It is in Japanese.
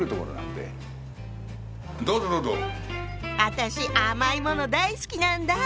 私甘いもの大好きなんだ。